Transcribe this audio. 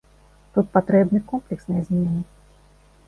Тут патрэбны комплексныя змены.